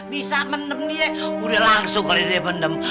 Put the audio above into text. bisa mendem dia udah langsung kali dia mendem